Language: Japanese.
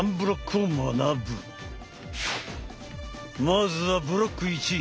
まずはブロック１。